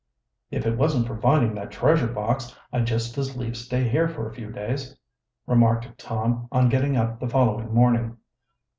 "If it wasn't for finding that treasure box I'd just as lief stay here for a few days," remarked Tom, on getting up the following morning.